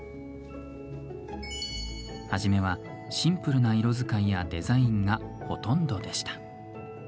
初めはシンプルな色使いやデザインがほとんどでした。